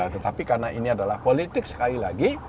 tetapi karena ini adalah politik sekali lagi